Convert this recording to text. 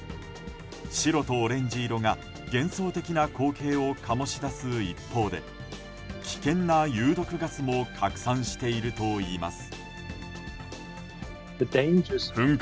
白とオレンジ色が幻想的な光景を醸し出す一方で危険な有毒ガスも拡散しているといいます。